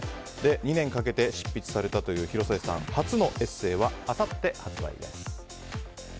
２年かけて執筆されたという広末さん初のエッセーはあさって発売です。